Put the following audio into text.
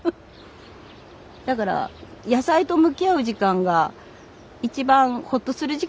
だから野菜と向き合う時間が一番ほっとする時間なのかな。